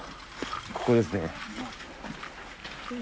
ここですね。